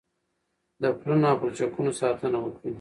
د پلونو او پلچکونو ساتنه وکړئ.